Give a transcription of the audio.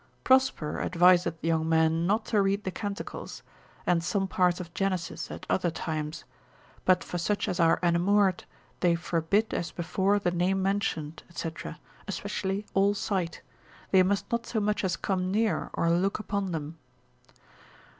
Prosper adviseth young men not to read the Canticles, and some parts of Genesis at other times; but for such as are enamoured they forbid, as before, the name mentioned, &c., especially all sight, they must not so much as come near, or look upon them.